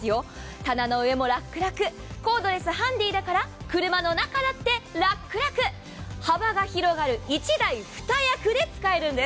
棚の上も楽々、コードレス、ハンディーだから車の中もラックラク、幅が広がる１台２役で使えるんです。